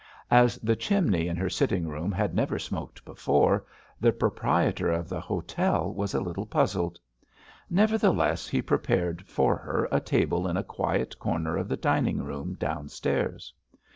As the chimney in her sitting room had never smoked before, the proprietor of the hotel was a little puzzled. Nevertheless he prepared for her a table in a quiet corner of the dining room downstairs.